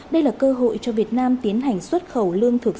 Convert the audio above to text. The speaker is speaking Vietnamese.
đây là cơ hội cho việt nam tiến hành xuất khẩu lương thực